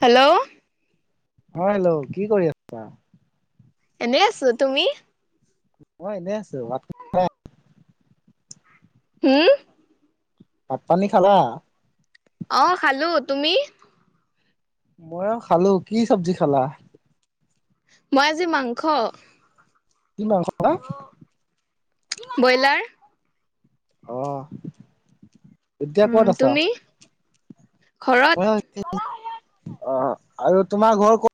Hello অ hello কি কৰি আছা এনেই আছো, তুমি? মই এনেই আছো। ৱাত হুম? ভাত, পানী খালা? অ খালো, তুমি? মইও খালো, কি চব্জি খালা? মই আজি মাংস। কি মাংস খালা? ব্ৰইলাৰ। অঁ। উম তুমি ঘৰত [unintelligible] অ আৰু তোমাৰ ঘৰ ক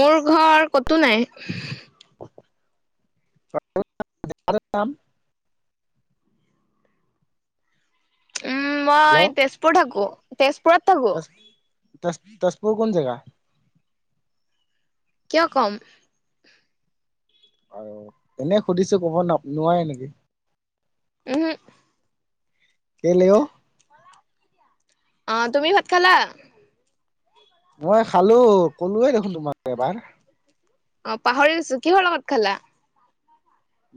মোৰ ঘৰ ক'তো নাই। [unintelligible] উম মই হেল্ল' তেজপুৰ থাকো, তেজপুৰত থাকো। ত তেজপুৰ কোন জেগা? কিয় ক'ম? অ এনে সুধিছো ক'ব নাপ নোৱাৰে নেকি? উম হো। কেলে' অ? অ তুমি ভাত খালা? মই খালো ক'লোৱে দেখোন তোমাক এবাৰ। অ পাহৰি গৈছো, কিহৰ লগত খালা?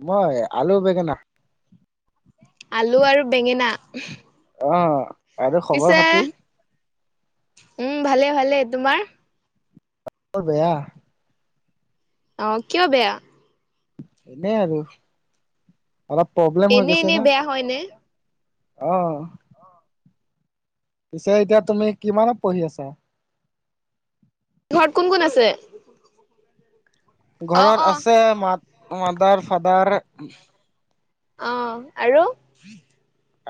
মই আলু বেঙেনা। আলু আৰু বেঙেনা? অঁ। পিছে উম ভালে ভালে, তোমাৰ? মোৰ বেয়া। অ কিয় বেয়া? এনেই আৰু অলপ প্ৰব্লেম হৈ এনে গৈছে এনে না। বেয়া হয়নে অহ। পিছে এতিয়া তুমি কিমানত পঢ়ি আছা? ঘৰত কোন কোন আছে? অ ঘৰত অ আছে মা মাদাৰ ফাদাৰ অঁ আৰু?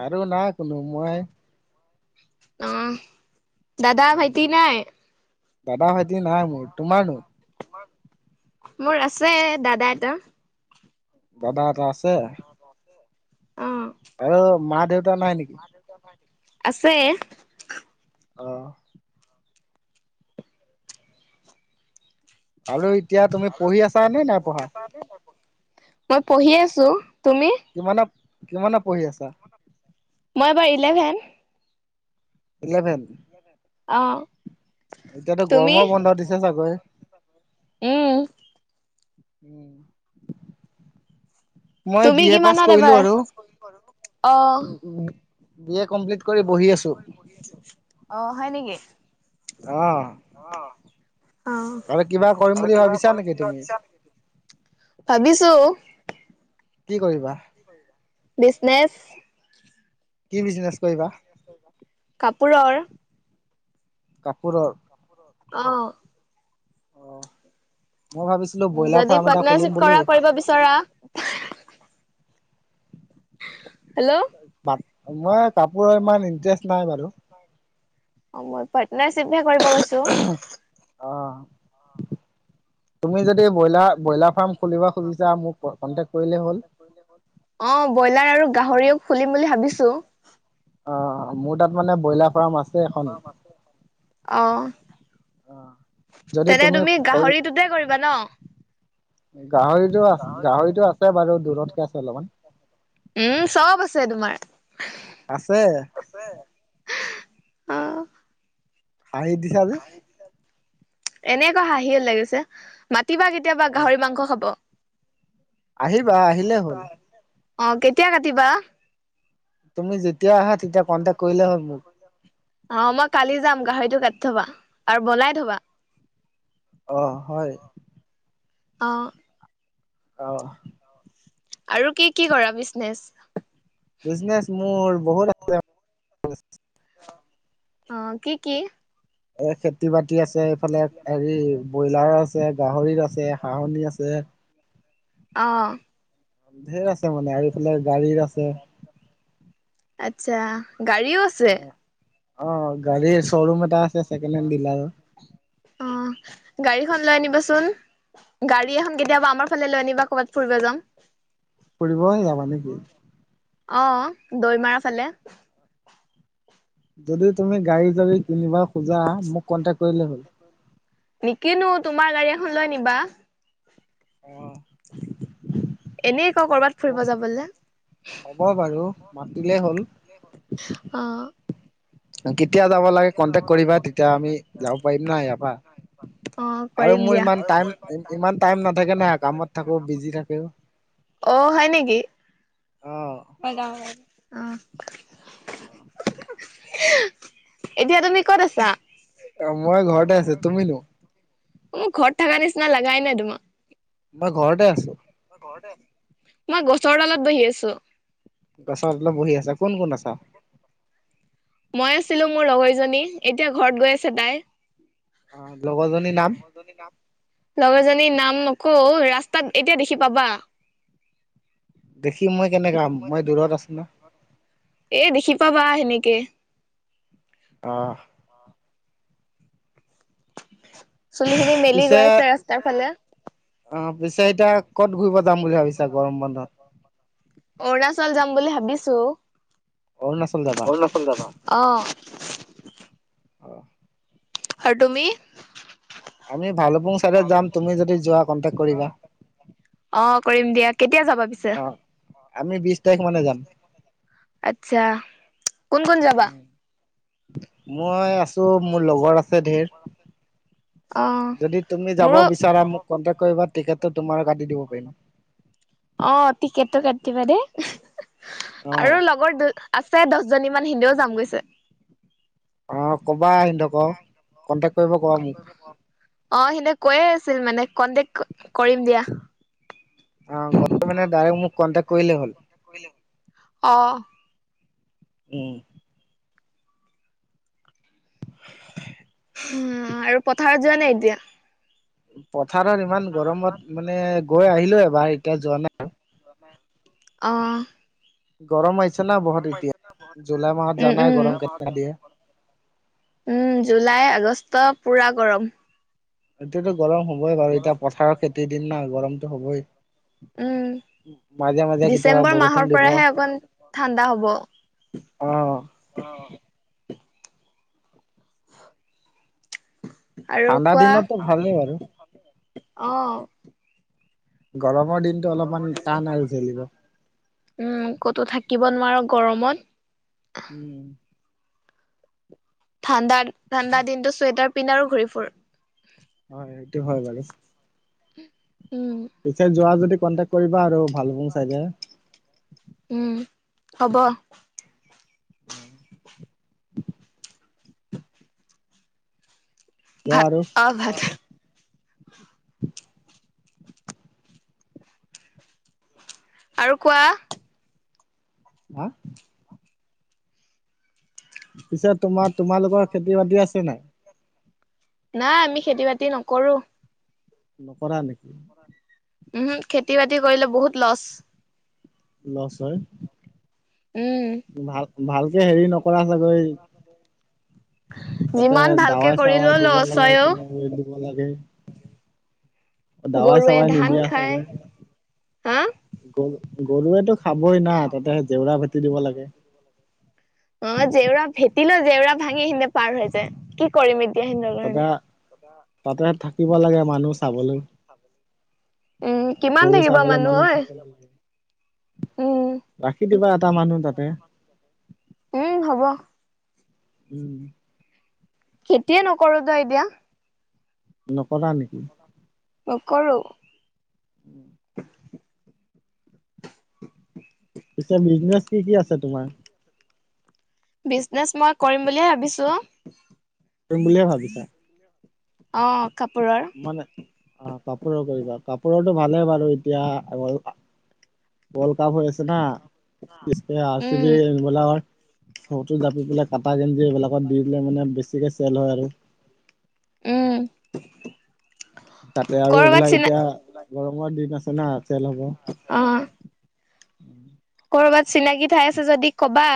আৰু নাই কোনো মই। অ দাদা ভাইটি নাই? দাদা ভাইটি নাই মোৰ, তোমাৰনো? মোৰ আছে দাদা এটা। দাদা এটা আছে? [inaudible] অঁ। আৰু মা দেউতা নাই নেকি? আছে। অ', আৰু এতিয়া তুমি পঢ়ি আছা নে নাই পঢ়া? [unintelligible] মই পঢ়ি আছোঁ। তুমি? [unintelligible] কিমানত-কিমানত পঢ়ি আছা? [inaudible] মই এইবাৰ ইলেভেন। [unintelligible] ইলেভেন? [inaudible] অঁ! এতিয়াতো তুমি? গৰমৰ বন্ধ দিছে চাগৈ উম! [unintelligible] উম! [inaudible] মই তুমি বি এ পাছ কিমানত কৰিলো এবাৰ আৰু। [inaudible] অ বি এ কমপ্লিট কৰি বহি আছোঁ। [unintelligible] [unintelligible] অঁ! হয় নেকি? অঁ! অ আৰু কিবা কৰিম বুলি ভাবিছা নেকি তুমি? [inaudible] ভাবিছোঁ। [unintelligible] কি কৰিবা? [unintelligible] বিজনেছ। [inaudible] কি বিজনেছ কৰিবা? [unintelligible] কাপোৰৰ। [inaudible] কাপোৰৰ? [unintelligible] অঁ! [inaudible] অঁ! মই ভাবিছিলো ব্ৰইলাৰ যদি ফাৰ্ম এটা পাৰ্টনাৰশ্বিপ খুলিম বুলি [unintelligible] [unintelligible] বিচৰা। হেল্ল' [unintelligible] মই কাপোৰৰ ইমান ইণ্টাৰেষ্ট নাই বাৰু। অঁ! মই পাটনাৰ শ্বিপ হে কৰিব গৈছোঁ। [unintelligible] [unintelligible] অঁ। তুমি যদি ব্ৰইলাৰ-ব্ৰইলাৰ ফাৰ্ম খুলিব খুজিছা মোক কণ্টেক্ট কৰিলেই হ'ল। [unintelligible] অঁ! ব্ৰইলাৰ আৰু গাহৰিও খুলিম বুলি ভাবিছোঁ। [inaudible] অঁ! মোৰ তাত মানে ব্ৰইলাৰ ফাৰ্ম আছে এখন। [inaudible] অ অঁ। [unintelligible] তেনে তুমি গাহৰিটোতে কৰিবা ন? [inaudible] গাহৰিটো আছে [inaudible] গাহৰিটো আছে বাৰু দূৰতকে আছে অলপমান। [unintelligible] উম! চব আছে তোমাৰ। [unintelligible] আছে। [inaudible] আছে। অঁ [inaudible] হাঁহি দিছা যে? [unintelligible] এনেই ক হাঁহি ওলাই গৈছে। মাতিবা কেতিয়াবা অ গাহৰি মাংস খাব? [inaudible] আহিবা আহিলেই হ'ল [unintelligible] অঁ! কেতিয়া কাটিবা? তুমি যেতিয়াও আহা তেতিয়া কণ্টেক্ কৰিলে হ'ল মোক। [unintelligible] অঁ! মই কালি যাম গাহৰিটো কাটি থবা আৰু বনাই থবা। [inaudible] অ! হয়। [unintelligible] অঁ! [inaudible] অ [inaudible] আৰু কি কি কৰা বিজনেছ? [unintelligible] বিজনেছ মোৰ বহুত [unintelligible] [unintelligible] অঁ! কি কি? এই [inaudible] খেতি-বাতি আছে এইফালে হেৰি ব্ৰইলাৰ আছে, গাহৰি আছে, হাঁহনি আছে [unintelligible] [inaudible] অ ধেৰ আছে মানে আৰু ইফালে গাড়ীৰ আছে আচ্ছা গাড়ীও আছে অ গাড়ীৰ শ্ব'ৰুম এটা আছে ছেকেণ্ড হেণ্ড ডিলাৰ অ গাড়ীখন লৈ আনিবাচোন গাড়ী এখন কেতিয়াবা আমাৰ ফালে লৈ আনিবা ক'ৰবাত ফুৰিব যাম ফুৰিবই যাবা নেকি অ অ দৈ মাৰ ফালে যদি তুমি গাড়ী যদি কিনিবা খোজা মোক কণ্টেক কৰিলে হল নিকিনো তোমাৰ গাড়ী এখন লৈ আনিবা অ এনেই ক কৰ'বাত হ'ব ফুৰিব যাবলে হ'ব বাৰু মাতিলে হ'ল অ কেতিয়া যাব লাগে কেতিয়া যাব কন্টেক লাগে কৰিবা কন্টেক তেতিয়া আমি কৰিবা তেতিয়া আমি পাৰিম না যাব ইয়াৰ পৰা পাৰিম ন অ আৰু কৰিম মোৰ দিয়া ইমান আৰু টাইম মোৰ ইমান টাইম নাথাকে ইমান না টাইম কামত নাথাকে ন থাকো বিজি থাকো অ হয় নিকি অঁ হে গাও অ অ এতিয়া তুমি ক'ত আছা অ মই ঘৰতে আছো তুমিনো উম ঘৰত থাকা নিচিনা লাগাই নাই তোমাক মই ঘৰতে আছো ঘৰতে আছো মই গছৰ তলত বহি আছো গছত তলত বহি আছা কোন কোন আছা মই আছিলো মোৰ লগৰীজনী এতিয়া ঘৰত গৈ আছে তাই অ লগৰজনীৰ না লগৰজনীৰ নাম লগৰজনীৰ নাম নকও ৰাস্তাত এতিয়া দেখি পাবা দেখিম মই কেনেকা মই দূৰত আছো ন এ দেখি পাবা সেনেকে অ চুলিখিনি মেলি পিছে গৈ আছে ৰাস্তাৰ ফালে অ পিছে এতিয়া ক'ত ঘূৰিব যাম বুলি ভাবিছা গৰম বন্ধত অৰুণাচল যাম বুলি ভাবিছো অৰুণাচল যাবা চল যাবা অ অহ আৰু তুমি আমি ভালুপুং চাইডে যাম তুমি যদি যোৱা কণ্টেক্ট কৰিবা অ কৰিম দিয়া কেতিয়া যাবা পিছে আমি বিশ তাৰিখ মানে যাম আচ্ছা কোন কোন যাবা? মই আছো মোৰ লগৰ আছে ধেৰ অ', যদি তুমি যাব মোৰো বিচাৰা মোক কন্টেক কৰিবা টিকেটটো তোমাৰো কাটি দিব পাৰিম অ টিকেটটো কাটি দিবা দে অ আৰু লগৰ দু আছে দহ জনী মান হিন্দেও যাম গৈছে। অ কবা সিহঁতক। কন্টেক্ট কৰিব ক'বা মোক [unintelligible] অ সিহঁতক কৈয়ে আছিল মানে কণ্টেক্ কৰিম দিয়া। অ গলে মানে ডাইৰেক্ট মোক কণ্টেক্ কৰিলে হ'ল। অহ। উম। [unintelligible] উম, আৰু পথাৰত যোৱা নাই এতিয়া? পথাৰত ইমান গৰমত, মানে গৈ আহিলো এবাৰ এতিয়া যোৱা নাই। অহ। গৰম আহিছে ন' উম-উম। গৰম কেনেকা দিয়ে উম' জুলাই, আগষ্ট পূৰা গৰম। এতিয়াতো গৰম হ'বই বাৰু এতিয়া পথাৰৰ খেতিৰ দিন ন' গৰমতটো হ'বই। উম। মাজে-মাজে কেতিয়াবা ডিচেম্বৰ মাহৰ বৰষুণ দিব। পৰাহে অকণ ঠাণ্ডা হ'ব অহ। আৰু ঠাণ্ডা কোৱা, দিনতো ভালেই বাৰু অ', গৰমৰ দিনটো অলপমান টান আৰু জেলিব। উম ক'তো থাকিব নোৱাৰো গৰমত। উম ঠাণ্ডাত-ঠাণ্ডা দিনতো চুৱেটাৰ পিন্ধ আৰু ঘূৰি ফুৰ। অ', সেইটো হয় বাৰু। উম। পিছে যোৱা যদি কণ্টেক কৰিবা আৰু ভালুকপুং চাইডে। উম', হব। [unintelligible] [inaudible] কোৱা ভাত, আৰু অ' ভাত আৰু কোৱা হা? পিছে তোমাক-তোমালোকৰ খেতি বাতি আছে নাই? নাই আমি খেতি বাতি নকৰো। নকৰা নেকি? উমহো, খেতি বাতি কৰিলে বহুত লছ। লচ হয়, উম ভাল-ভালকে হেৰি নকৰা চাগৈ তাতে যিমান ভালকে দাৱাই কৰিলেও চাৱাই দিব লছ লাগে হয় অ দিব লাগে। দাৱাই গৰুৱে চবাই ধান নিদিয়া খায় চাগৈ। হা গৰু-গৰুৱেতো খাবই না তাতে জেওৰা ভেটি দিব লাগে। অ জেউৰা ভেটিলো, জেউৰা ভাঙি সিহতে পাৰ হৈ যায় কি কৰিম এতিয়া সিহতৰ তাতে কাৰণে? তাতে থাকিব লাগে মানুহ চাবলৈ। উম', কিমান গৰু থাকিবা চাবলে মানুহ ঐ। থাকিব লাগে উম' ৰাখি দিবা এটা মানুহ তাতে উম', হব। উম খেতিয়ে নকৰোতো এতিয়া। নকৰা নেকি? নকৰোঁ। উমঁ'। [unintelligible] পিছে বিজনেচ কি-কি আছে তোমাৰ? বিজনেচ মই কৰিম বুলিয়ে ভাবিছো। কৰিম বুলিয়ে ভাবিছা? অঁ'। মানে অঁ' কাপোৰৰ কৰিবা। কাপোৰৰটো ভালে বাৰু এতিয়া ৱৰ্ল্ড কাপ হৈ আছে না, [unintelligible] আৰ চি উম বি বিলাকৰ সৰুটো জাপি পেলাই কাটা যেনেকৈ এইবিলাকত দি দিলে মানে বেছিকে চেল হয় আৰু। উমঁ। তাতে আৰু এইবিলাক এতিয়া গৰমৰ দিন আছে না' চেল হ'ব। অঁ। কৰ'বাত চিনাকি ঠাই আছে যদি কবা?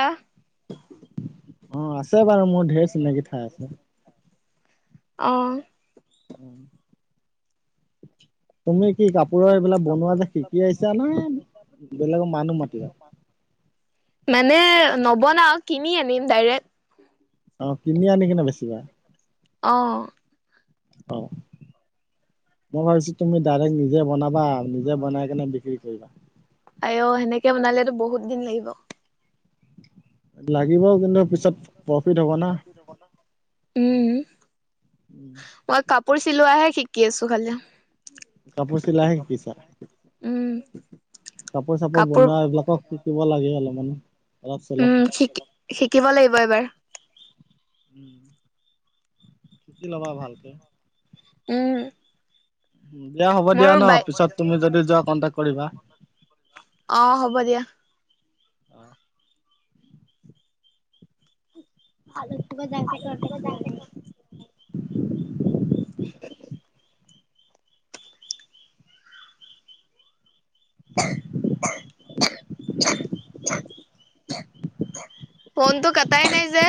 অঁ' আছে বাৰু মোৰ ঢেৰ চিনাকি ঠাই আছে। অঁ। উমঁ' তুমি সেই কাপোৰৰ এইবিলাক বনোৱা যে শিকি আহিছো নে বেলেগৰ মানুহ মাতিবা? মানে নবনাও কিনি আনিম ডাইৰেক্ট। অঁ' কিনি আনি কিনে বেছিবা? অঁহ'। অঁ' মই ভাৱিছো তুমি ডাইৰেক্ট নিজে বনাবা নিজে বনাই কেনে বিক্ৰী কৰিবা। আইও সেনেকে বনালেতো বহুত দিন লাগিব। লাগিব কিন্তু পিছত প্ৰফিট হ'ব না। হ'ব না। উমঁ'। উম। মই কাপোৰ চিলোৱাহে শিকি আছো খালি। কাপোৰ চিলোৱা শিকিছা? উমঁ। কাপোৰ চাপোৰ বনোৱা এইবিলাকক শিকিব লাগে অলপ মানে। উমঁ' শিকি শিকিব লাগিব এইবাৰ। উমঁ' শিকি লবা ভালকে। উমঁ। দিয়া হ'ব দিয়া ন' পিছত তুমি যদি যোৱা কণ্টেক্ট কৰিবা। অঁ' হ'ব দিয়া। ভালো [unintelligible] যাওতে [unintelligible] [unintelligible] ফোনটো কাটাই নাই যে।